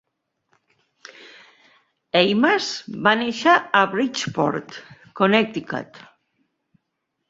Eimas va néixer a Bridgeport, Connecticut.